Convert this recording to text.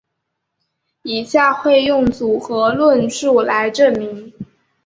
以下会用组合论述来证明。